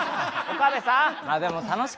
岡部さん！